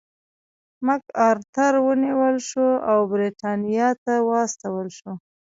مک ارتر ونیول شو او برېټانیا ته واستول شو.